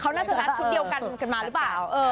เขาน่าจะนัดชุดเดียวกันกันมาหรือเปล่า